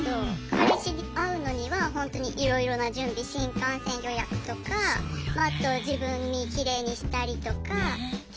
彼氏に会うのにはほんとにいろいろな準備新幹線予約とかまああと自分身きれいにしたりとか手間って言うとちょっとあれですけど。